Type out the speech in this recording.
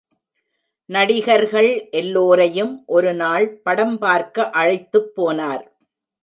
நடிகர்கள் எல்லோரையும் ஒரு நாள் படம்பார்க்க அழைத்துப்போனார்.